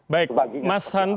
baik mas hanta yang nanti